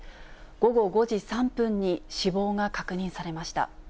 午後５時３分に死亡が確認されました。